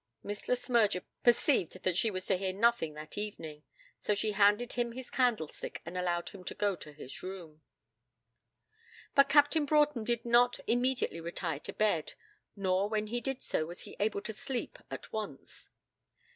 Miss Le Smyrger perceived that she was to hear nothing that evening, so she handed him his candlestick and allowed him to go to his room. But Captain Broughton did not immediately retire to bed, nor when he did so was he able to sleep at once.